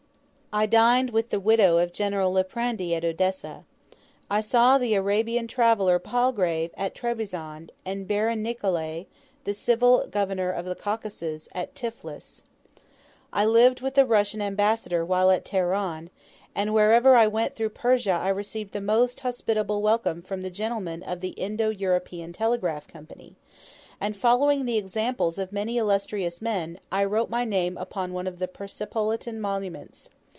I dined with the widow of General Liprandi at Odessa. I saw the Arabian traveller Palgrave at Trebizond, and Baron Nicolay, the Civil Governor of the Caucasus, at Tiflis. I lived with the Russian Ambassador while at Teheran, and wherever I went through Persia I received the most hospitable welcome from the gentlemen of the Indo European Telegraph Company; and following the examples of many illustrious men, I wrote my name upon one of the Persepolitan monuments.